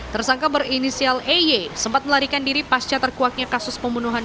tersangka berinisial ey sempat melarikan diri pasca terkuaknya kasus pembunuhan